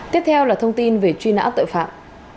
tiếp theo là thông tin về truy nã tội phạm